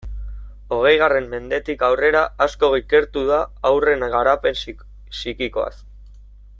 Hogeigarren mendetik aurrera asko ikertu da haurren garapen psikikoaz.